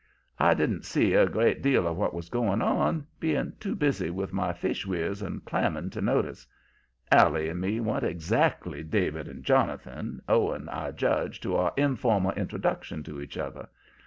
"I didn't see a great deal of what was going on, being too busy with my fishweirs and clamming to notice. Allie and me wa'n't exactly David and Jonathan, owing, I judge, to our informal introduction to each other.